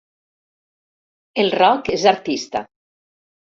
El Roc és artista.